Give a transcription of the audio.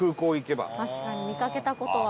確かに見かけた事は。